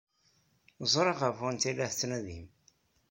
Ẓriɣ ɣef wanta ay la tettnadim.